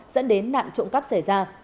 dẫn đến nạn trộm cắp xảy ra